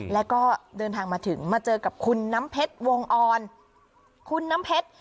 แล้วก็เดินทางมาถึงมาเจอกับคุณน้ำเพชรวงออนคุณน้ำเพชร